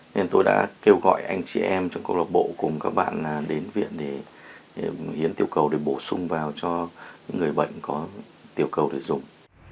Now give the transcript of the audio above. nên tôi đã kêu gọi anh chị em trong cộng đồng bộ cùng các bạn đến viện để hiến tiểu cầu để bổ sung vào cho những người bệnh có tiểu cầu để dùng